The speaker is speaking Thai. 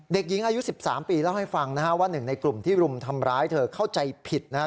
เด็กหญิงอายุ๑๓ปีเล่าให้ฟังนะฮะว่าหนึ่งในกลุ่มที่รุมทำร้ายเธอเข้าใจผิดนะครับ